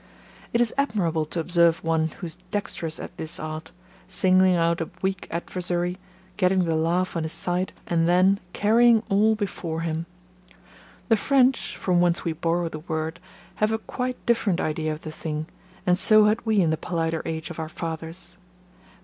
It is admirable to observe one who is dexterous at this art, singling out a weak adversary, getting the laugh on his side, and then carrying all before him. The French, from whence we borrow the word, have a quite different idea of the thing, and so had we in the politer age of our fathers.